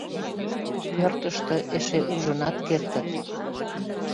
Пӧртыштӧ эше ужынат кертыт.